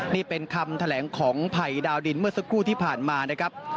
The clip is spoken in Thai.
นี่เป็นคำแถลงของภัยดาวดินเมื่อสักครู่ที่ผ่านมานะครับ